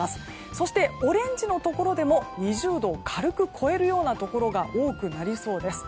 そして、オレンジのところでも２０度を軽く超えるようなところが多くなりそうです。